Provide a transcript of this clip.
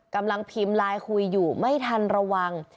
กำลังพิมพ์ไลน์คุยอยู่ไม่ทันระวัง